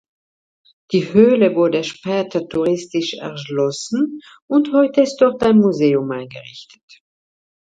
Die Höhle wurde später touristisch erschlossen, und heute ist dort ein Museum eingerichtet.